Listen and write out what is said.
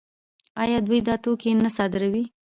آیا دوی دا توکي نه صادروي؟